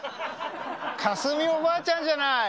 架純おばあちゃんじゃない。